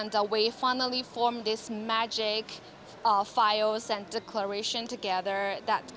dan akhirnya kita membentuk file dan deklarasi yang magis ini bersama